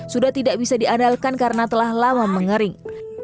sudah tidak bisa diandalkan karena telah lama mengering